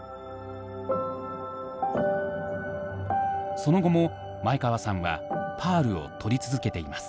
その後も前川さんはパールを撮り続けています。